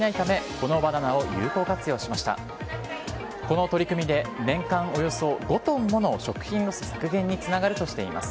この取り組みで年間およそ５トンもの食品ロス削減につながるとしています。